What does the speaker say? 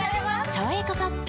「さわやかパッド」